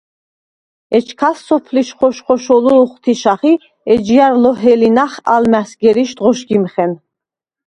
ეჩქას სოფლიშ ხოშ-ხოშოლუ ოხთიშახ ი ეჯჲა̈რ ლოჰელინახ ალმა̈სგირიშდ ღოშგიმხენ.